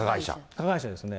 加害者ですね。